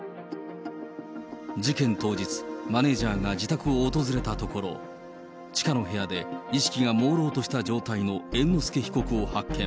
事件当日、マネージャーが自宅を訪れたところ、地下の部屋で意識がもうろうとした状態の猿之助被告を発見。